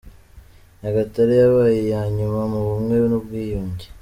Nyagatare yabaye i ya nyuma mu bumwe n’Ubwiyunge .